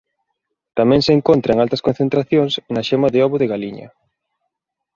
Tamén se encontra en altas concentracións na xema de ovo de galiña.